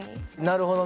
なるほどね。